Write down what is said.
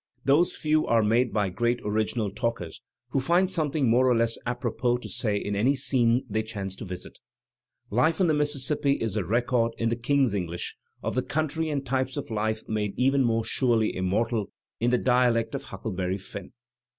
Those few are made by great original talkers who find something more or less apropos to say in any scene they chance to visit. "Life on the Mississippi" is the record in "the King's English" of the country and types of life made even more surely immortal in the dialect Digitized by Google MARK TWAIN 271 of "Huckleberry Finn."